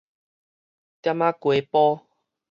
店仔街埔